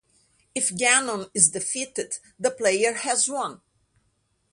If Ganon is defeated, the player has won.